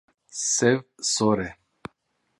Sêv sor e.